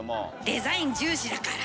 デザイン重視だから。